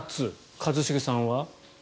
一茂さんは？